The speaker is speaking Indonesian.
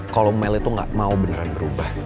kalau mel itu gak mau beneran berubah